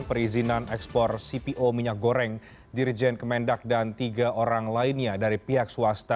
perizinan ekspor cpo minyak goreng dirjen kemendak dan tiga orang lainnya dari pihak swasta